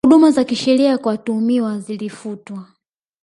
Huduma za kisheria kwa watuhumiwa zilifutwa